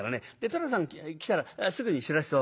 寅さん来たらすぐに知らせておくれ。